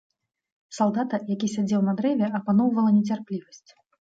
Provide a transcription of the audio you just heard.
Салдата, які сядзеў на дрэве, апаноўвала нецярплівасць.